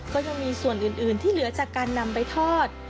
ก็ยังมีส่วนอื่นที่เหลือจากการนำไปทอด